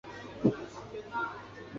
犁头鳅为平鳍鳅科犁头鳅属的鱼类。